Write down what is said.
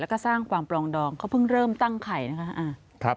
แล้วก็สร้างความปลองดองเขาเพิ่งเริ่มตั้งไข่นะคะ